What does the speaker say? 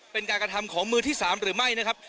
เป็นการกระทำของมือที่๓หรือไม่นะครับ